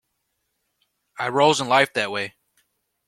I rose in life that way.